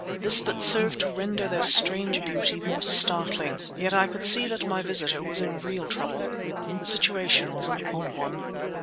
This but served to render their strange beauty more startling; yet I could see that my visitor was in real trouble. The situation was an odd one.